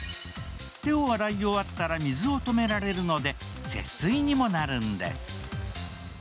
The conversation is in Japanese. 手を洗い終わったら水を止められるので節水にもなるんです。